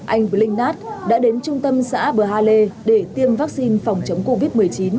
anh vinh nát đã đến trung tâm xã bờ ha lê để tiêm vaccine phòng chống covid một mươi chín